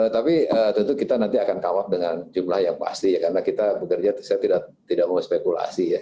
tapi tentu kita nanti akan kawat dengan jumlah yang pasti ya karena kita bekerja saya tidak mau spekulasi ya